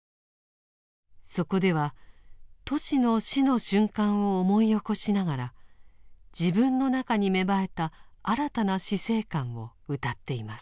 そこではトシの死の瞬間を思い起こしながら自分の中に芽生えた新たな死生観をうたっています。